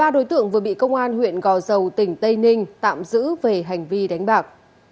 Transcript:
ba đối tượng vừa bị công an huyện gò dầu tỉnh tây ninh tạm giữ về hành vi đánh bạc